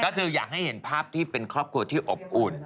ก็คืออยากให้เห็นภาพที่เป็นครอบครัวที่อบอุ่น